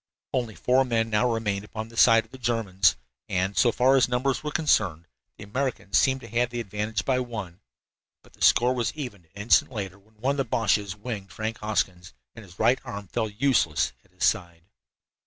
Only four men now remained upon the side of the Germans, and, so far as numbers were concerned, the Americans seemed to have the advantage by one. But the score was evened an instant later, when one of the Boches "winged" Frank Hoskins, and his right arm fell useless at his side.